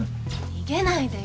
逃げないでよ。